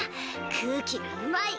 空気がうまい！